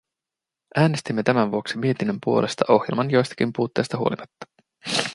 Äänestimme tämän vuoksi mietinnön puolesta ohjelman joistakin puutteista huolimatta.